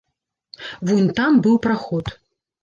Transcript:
Вунь там быў праход.